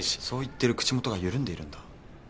そう言ってる口元が緩んでいるんだ。